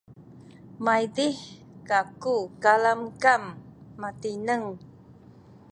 maydih kaku kalamkam matineng